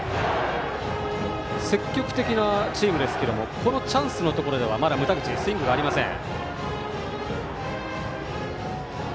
積極的なチームですがこのチャンスのところではまだ牟田口スイングありません。